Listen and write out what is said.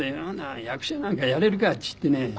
「役者なんかやれるか」って言ってね